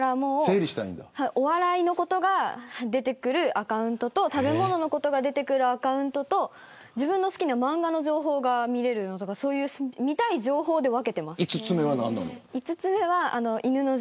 お笑いのことが出てくるアカウントと食べ物のことが出てくるアカウントと自分の好きな漫画の情報が見れるのとか５つ目は何なの。